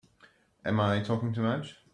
Am I talking too much?